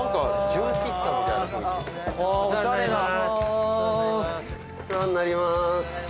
千賀：お世話になります。